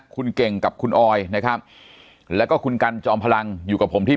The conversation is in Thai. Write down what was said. คุณเก่งกับคุณออยนะครับแล้วก็คุณกันจอมพลังอยู่กับผมที่